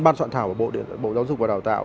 ban soạn thảo của bộ giáo dục và đào tạo